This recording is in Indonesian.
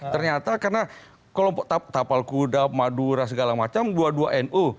ternyata karena kelompok tapal kuda madura segala macam dua dua nu